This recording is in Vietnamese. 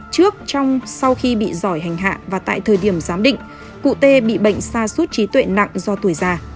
trước trong sau khi bị giỏi hành hạ và tại thời điểm giám định cụ tê bị bệnh xa suốt trí tuệ nặng do tuổi già